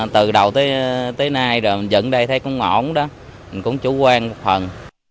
từ đầu tới nay rồi mình dựng đây thấy cũng ổn đó cũng chủ quan một phần